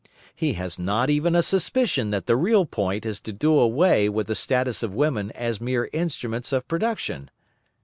He has not even a suspicion that the real point is to do away with the status of women as mere instruments of production.